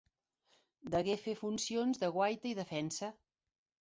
Degué fer funcions de guaita i defensa.